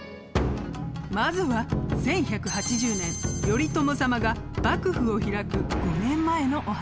まずは１１８０年頼朝様が幕府を開く５年前のお話。